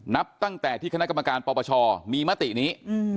นับตั้งแต่ที่คณะกรรมการปปชมีมตินี้